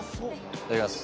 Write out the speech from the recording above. いただきます・